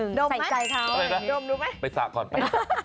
เออไปสระก็ดีนะ